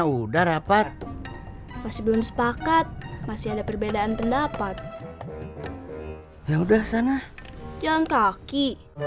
udah rapat masih belum sepakat masih ada perbedaan pendapat ya udah sana jalan kaki